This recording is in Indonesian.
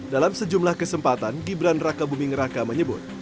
dalam sejumlah kesempatan gibran raka buming raka menyebut